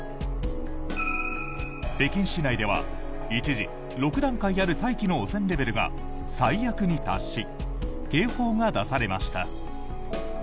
北京市内では一時６段階ある大気の汚染レベルが最悪に達し警報が出されました。